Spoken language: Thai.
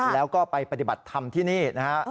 แล้วก็ไปปฏิบัติธรรมที่นี่นะฮะ